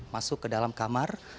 masuk ke dalam kamar satu ratus dua